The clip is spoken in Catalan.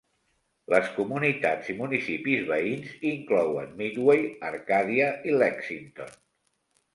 Les comunitats i municipis veïns inclouen Midway, Arcadia i Lexington.